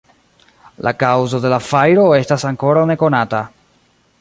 La kaŭzo de la fajro estas ankoraŭ nekonata.